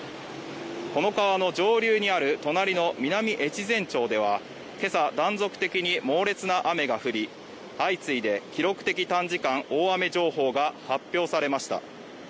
この川の上流にある隣の南越前町では今朝断続的に猛烈な雨が降り相次いで記録的短時間大雨情報が発表されました